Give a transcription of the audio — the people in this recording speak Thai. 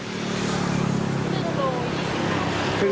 ๑โล